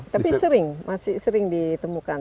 tapi sering masih sering ditemukan